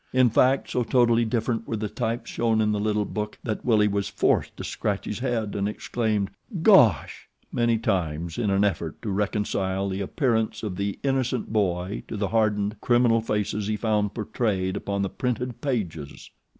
In fact, so totally different were the types shown in the little book that Willie was forced to scratch his head and exclaim "Gosh!" many times in an effort to reconcile the appearance of the innocent boy to the hardened, criminal faces he found portrayed upon the printed pages.